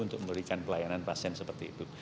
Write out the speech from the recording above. untuk memberikan pelayanan pasien seperti itu